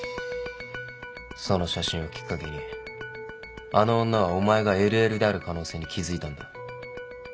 その写真をきっかけにあの女はお前がＬＬである可能性に気付いたんだ。